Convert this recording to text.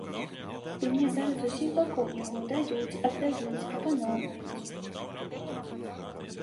І мне зараз з усіх бакоў яго даюць, аддаюць, прапаноўваюць.